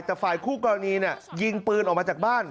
แต่ฝ่ายคู่กรณียิงปืนออกมาจากบ้าน